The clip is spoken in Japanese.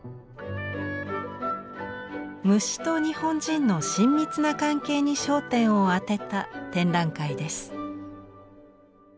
虫と日本人の親密な関係に焦点を当てた展覧会です。